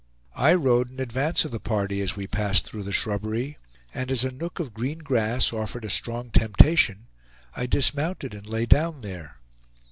I rode in advance of the party, as we passed through the shrubbery, and as a nook of green grass offered a strong temptation, I dismounted and lay down there.